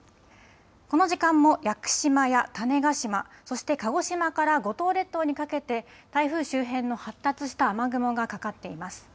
この時間も屋久島や種子島、そして鹿児島から五島列島にかけて台風周辺の発達した雨雲がかかっています。